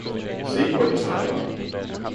Se, hvor de sejler!